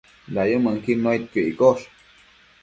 Dayumënquid nuaidquio iccosh